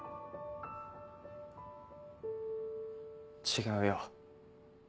違うよ。